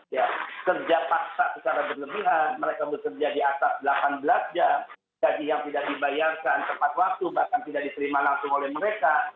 ya kerja paksa secara berlebihan mereka bekerja di atas belakang belakang jadi yang tidak dibayarkan tepat waktu bahkan tidak diperima langsung oleh mereka